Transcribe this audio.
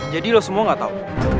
jadi lo semua gak tau